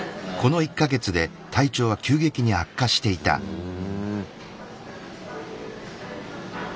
ふん。